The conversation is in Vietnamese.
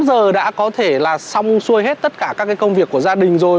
giờ đã có thể là xong xuôi hết tất cả các cái công việc của gia đình rồi